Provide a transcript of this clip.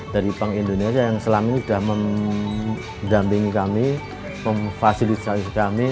dari bank indonesia yang selama ini sudah mendampingi kami memfasilitasi kami